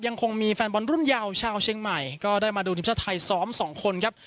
ยังคงมีแฟนบอลรุ่นเยาว์ชาวเชียงใหม่ก็ได้มาดูทีมชาติไทยซ้อมสองคนครับ